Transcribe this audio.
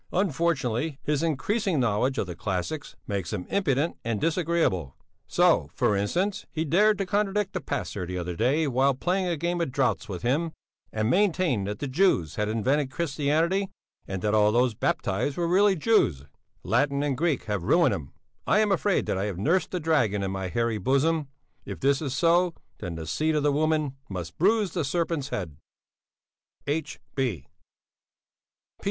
Unfortunately, his increasing knowledge of the classics makes him impudent and disagreeable. So, for instance, he dared to contradict the pastor the other day while playing a game of draughts with him, and maintain that the Jews had invented Christianity and that all those baptized were really Jews. Latin and Greek have ruined him! I am afraid that I have nursed a dragon in my hairy bosom; if this is so, then the seed of the woman must bruise the serpent's head. H.